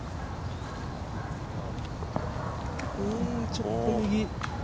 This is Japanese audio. ちょっと右。